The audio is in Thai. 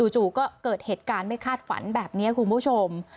จู่ก็เกิดเหตุการณ์ไม่คาดฝันแบบนี้คุณผู้ชม